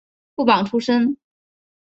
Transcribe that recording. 副榜出身。